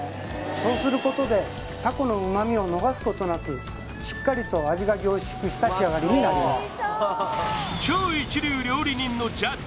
そうすることでたこの旨みを逃すことなくしっかりと味が凝縮した仕上がりになります